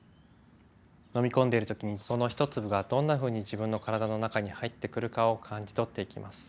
飲み込んでる時にその一粒がどんなふうに自分の体の中に入ってくるかを感じ取っていきます。